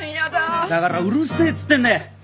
だからうるせえっつってんだ！